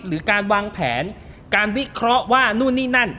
หรือการวางแผนการวิเคราะห์ว่านู่นนี่นั่น